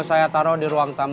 saya taruh di ruang tamu